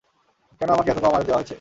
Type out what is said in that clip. কেন আমাকে এত কম আয়ু দেয়া হয়েছে?